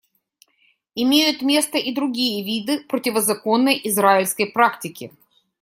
Имеют место и другие виды противозаконной израильской практики.